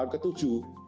ini bisa berjalan